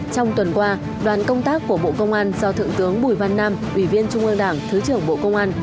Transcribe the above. trong tuần qua đoàn công tác của bộ công an do thượng tướng bùi văn nam ủy viên trung ương đảng thứ trưởng bộ công an